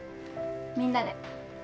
みんなで。